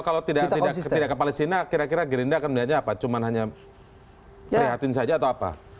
kalau tidak ke palestina kira kira gerinda akan melihatnya apa cuma hanya prihatin saja atau apa